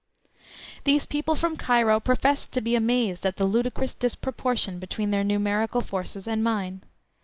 These people from Cairo professed to be amazed at the ludicrous disproportion between their numerical forces and mine.